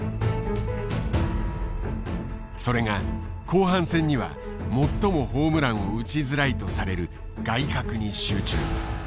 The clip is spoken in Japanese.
それが後半戦には最もホームランを打ちづらいとされる外角に集中。